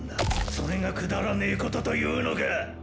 それがくだらねーことと言うのかッ！